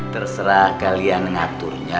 terserah kalian ngaturnya